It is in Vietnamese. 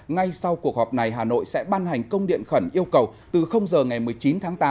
ngay sau cuộc họp này hà nội sẽ ban hành công điện khẩn yêu cầu từ giờ ngày một mươi chín tháng tám